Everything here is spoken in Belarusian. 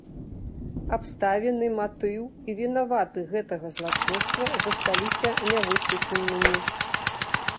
Абставіны, матыў і вінаваты гэтага злачынства засталіся нявысветленымі.